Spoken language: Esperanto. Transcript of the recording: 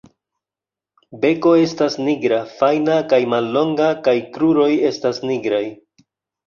Beko estas nigra, fajna kaj mallonga kaj kruroj estas nigraj.